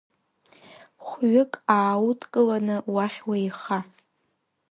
Хәҩык ааудкыланы уахь уеиха.